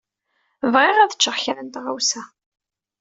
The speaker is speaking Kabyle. Bɣiɣ ad ččeɣ kra n tɣawsa.